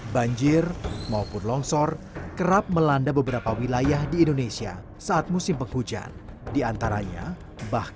banyak orang berpikir bahwa desa seharusnya bermanfaat hanya karena anggota kota pastor rusang brunei